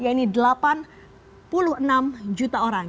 yaitu delapan puluh enam juta orang